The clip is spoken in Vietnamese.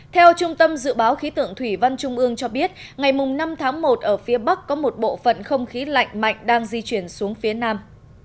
theo trung tâm dự báo khí tượng thủy văn trung ương cho biết ngày năm tháng một ở phía bắc có một bộ phận không khí lạnh mạnh đang di chuyển xuống phía nam